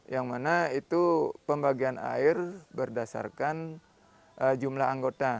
yang mana itu pembagian air berdasarkan jumlah anggota